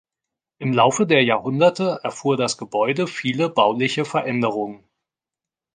Im Laufe der Jahrhunderte erfuhr das Gebäude viele bauliche Veränderungen.